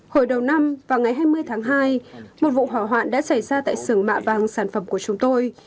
hồi đầu năm và ngày hai mươi tháng hai một vụ hỏa hoạn đã xảy ra tại sưởng mạ vàng sản phẩm của chúng tôi